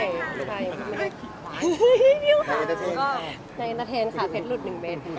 ใช่ค่ะก็ในเตอร์เทนค่ะเพชรหลุด๑เมตร